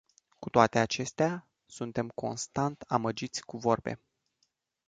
Cu toate acestea, suntem constant amăgiți cu vorbe.